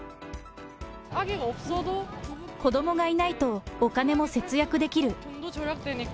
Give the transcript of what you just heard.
子どもがいないと、お金も節約できる。